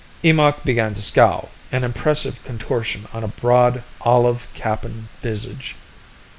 Eemakh began to scowl, an impressive contortion on a broad, olive Kappan visage.